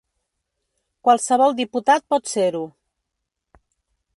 Qualsevol diputat pot ser-ho.